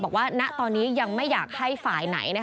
ณตอนนี้ยังไม่อยากให้ฝ่ายไหน